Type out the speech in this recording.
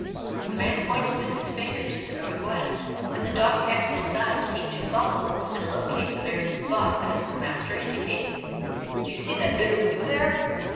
The man pointed with his finger to the northwest, and the dog at his side seemed to follow and locate the very spot that his mas ter indicated, 217 DOG HEROES OF MANY LANDS "Do you see that bit of blue there?